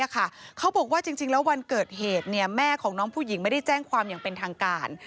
เขาบอกว่าจริงแล้ววันเกิดเหตุแม่ของน้องผู้หญิงไม่ได้แจ้งความอย่างเป็นทางการ